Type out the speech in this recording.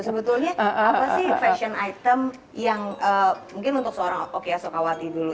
sebetulnya apa sih fashion item yang mungkin untuk seorang oke ya sukawati dulu